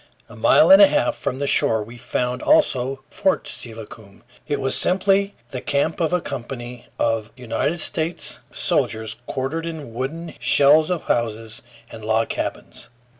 A mile and a half from the shore we found also Fort Steilacoom. It was simply the camp of a company of United States soldiers, quartered in wooden shells of houses and log cabins.